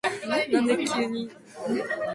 いつまでも疑い迷って、決断せずにためらうこと。